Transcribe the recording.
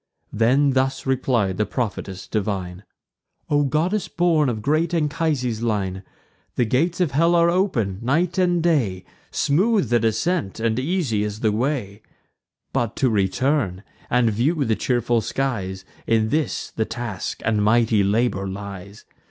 Then thus replied the prophetess divine: "O goddess born of great Anchises' line, The gates of hell are open night and day; Smooth the descent, and easy is the way: But to return, and view the cheerful skies, In this the task and mighty labour lies.